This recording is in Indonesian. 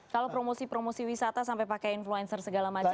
kalau promosi promosi wisata sampai pakai influencer segala macam